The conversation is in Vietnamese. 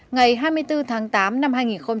ngày hai mươi bốn tháng tám năm hai nghìn một mươi sáu